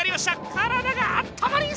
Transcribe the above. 体があったまりそう！